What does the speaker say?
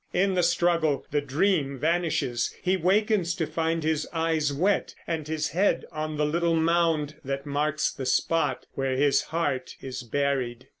In the struggle the dream vanishes; he wakens to find his eyes wet and his head on the little mound that marks the spot where his heart is buried.